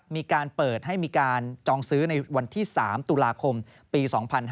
มีการเปิดให้มีการจองซื้อในวันที่๓ตุลาคมปี๒๕๕๙